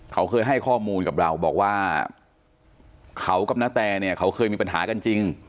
เขาเคยให้ข้อมูลกับเราบอกว่าเขากับนาแตเนี่ยเขาเคยมีปัญหากันจริง